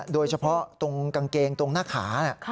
โดยเฉพาะตรงกางเกงตรงหน้าขา